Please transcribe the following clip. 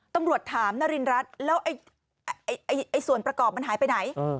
ตำรวจถามนารินรัฐแล้วส่วนประกอบมันหายไปไหน